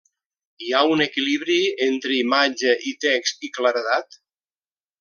Hi ha un equilibri entre imatge i text i claredat?